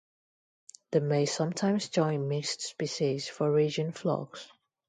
They may sometimes join mixed-species foraging flocks.